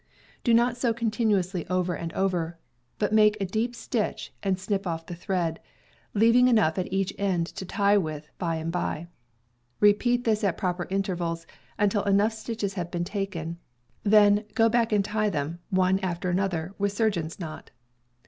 Do not sew continuously over and over, but make a deep stitch and snip off the thread, leaving enough at each end to tie with by and by. Repeat this at proper intervals, until enough stitches have been taken; then, go back and tie them, one after another, with surgeon's knot.